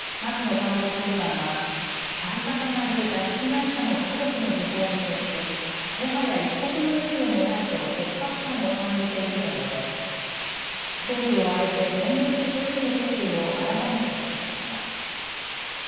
官房長官はたび重なる拉致被害者の家族の訃報に接し、もはや一刻の猶予もないと切迫感を感じていると述べ政府を挙げて全力で取り組む決意を改めて示しました。